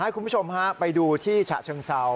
คุณผู้ชมฮะไปดูที่ฉะเชิงเซา